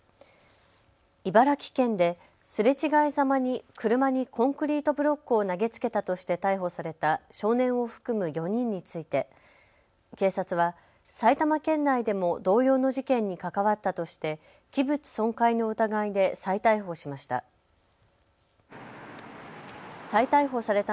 茨城県ですれ違いざまに車にコンクリートブロックを投げつけたとして逮捕された少年を含む４人について警察は埼玉県内でも同様の事件に関わったとして器物損壊の疑いで再逮捕しました。